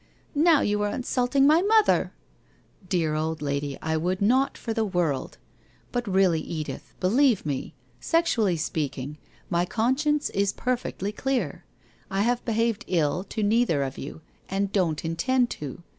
' Now you are insulting my mother !'< Dear old lady, I would not for the world ! But really, Edith, believe me, sexually speaking, my conscience is perfectly clear. I have behaved ill to neither of you and don't intend to.